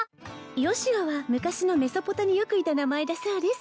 ヨシュアは昔のメソポタによくいた名前だそうです